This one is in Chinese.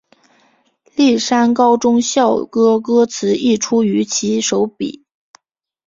丽山高中校歌歌词亦出于其手笔。